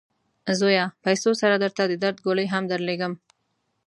زویه! پیسو سره درته د درد ګولۍ هم درلیږم.